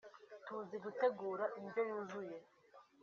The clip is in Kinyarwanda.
tuzi gutegura indyo yuzuye